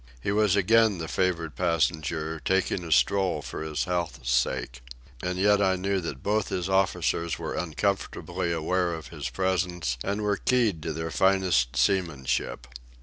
He was again the favoured passenger, taking a stroll for his health's sake. And yet I knew that both his officers were uncomfortably aware of his presence and were keyed to their finest seamanship.